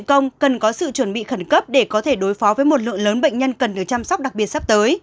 cần có sự chuẩn bị khẩn cấp để có thể đối phó với một lượng lớn bệnh nhân cần được chăm sóc đặc biệt sắp tới